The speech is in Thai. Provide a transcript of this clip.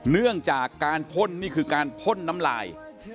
เนื่องจากการพ่นนี่คือการพ่นน้ำลาย